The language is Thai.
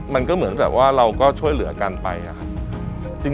มันก็เหมือนแบบว่าเราก็ช่วยเหลือกันไปนะครับ